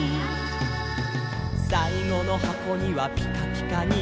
「さいごのはこにはぴかぴかに」